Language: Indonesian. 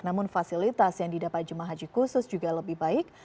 namun fasilitas yang didapat jemaah haji khusus juga lebih baik